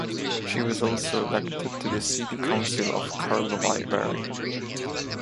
She was also elected to the city council of Karlovy Vary.